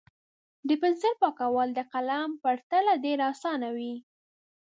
د پنسل پاکول د قلم په پرتله ډېر اسانه وي.